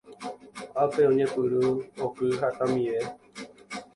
Ápe oñepyrũ oky hatãmive.